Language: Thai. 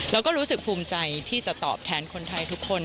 แล้วก็รู้สึกภูมิใจที่จะตอบแทนคนไทยทุกคน